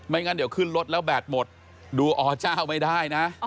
งั้นเดี๋ยวขึ้นรถแล้วแบตหมดดูอเจ้าไม่ได้นะ